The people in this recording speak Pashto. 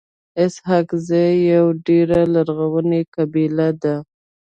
اسحق زی يوه ډيره لرغوني قبیله ده.